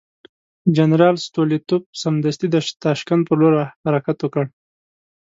جنرال ستولیتوف سمدستي د تاشکند پر لور حرکت وکړ.